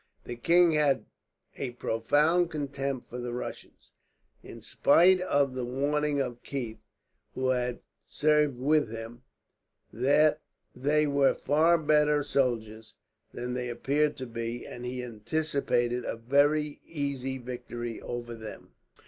The king had a profound contempt for the Russians, in spite of the warning of Keith, who had served with them, that they were far better soldiers than they appeared to be; and he anticipated a very easy victory over them.